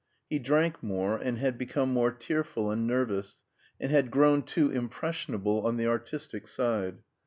He drank more and had become more tearful and nervous; and had grown too impressionable on the artistic side.